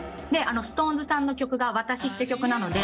ＳｉｘＴＯＮＥＳさんの曲が「わたし」って曲なので。